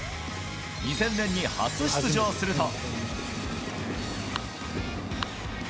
２０００年に初出場すると。